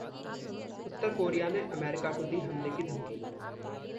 उत्तर Korea ने America को दी हमले की धमकी